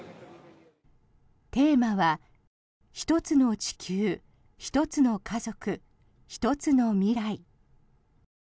テーマは「ひとつの地球、ひとつの家族、ひとつの未来」。